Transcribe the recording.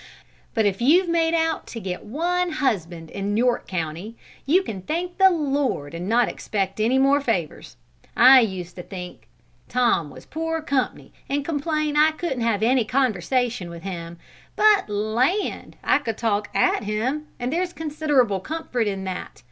But if you've made out to get one husband in York County, you can thank the Lord and not expect any more favours. I used to think Tom was poor comp'ny and complain I couldn't have any conversation with him, but land, I could talk at him, and there's considerable comfort in that.